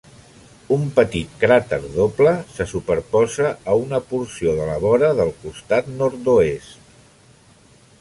Un petit cràter doble se superposa a una porció de la vora del costat nord-oest.